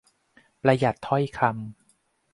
ประหยัดถ้อยคำ